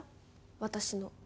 私の。